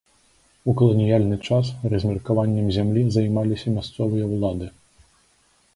У каланіяльны час размеркаваннем зямлі займаліся мясцовыя ўлады.